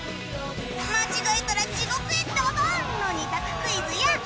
間違えたら地獄へドボンの２択クイズや